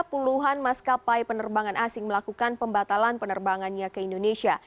puluhan maskapai penerbangan asing melakukan pembatalan penerbangannya ke indonesia